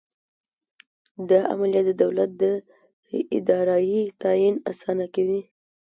دا عملیه د دولت د دارایۍ تعین اسانه کوي.